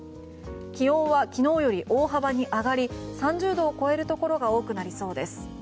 気温は昨日より大幅に上がり３０度を超えるところが多くなりそうです。